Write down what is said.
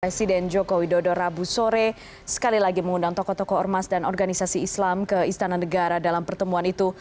presiden joko widodo rabu sore sekali lagi mengundang tokoh tokoh ormas dan organisasi islam ke istana negara dalam pertemuan itu